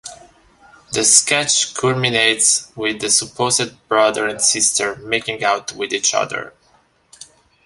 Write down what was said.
The sketch culminates with the supposed brother and sister making out with each other.